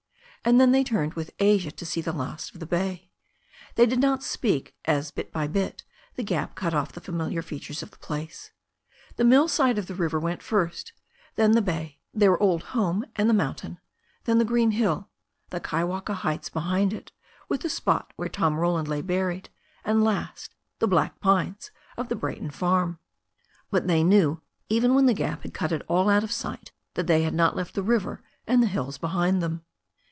And then they turned with Asia to see the last of the bay. They did not speak as bit by bit the gap cut off the familiar features of the place. The mill side of the river went first; then the bay, their old home and the mountain; then the green hill, the Kaiwaka heights behind it, with the spot where Tom Roland lay buried; and last, the black pines of the Brayton farm. But they knew, even when the gap had cut it all out of sight, that they had not left the river and the hills behind them.